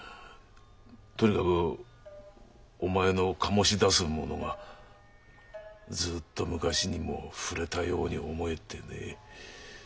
とにかくお前の醸し出すものがずっと昔にも触れたように思えてね。